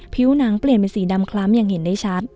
ผิวหนังเปลี่ยนเป็นสีดำคล้ำอย่างเห็นได้ชัด